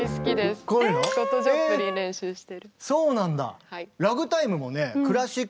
そうなんだ。